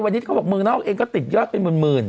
วันนี้เขาบอกเมืองนอกเองก็ติดยอดเป็นหมื่น